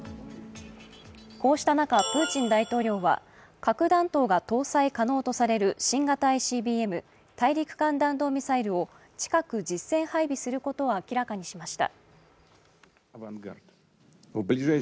こうした中、プーチン大統領は核弾頭が搭載可能とされる新型ＩＣＢＭ＝大陸間弾道ミサイルを近く実戦配備することを明らかにしました。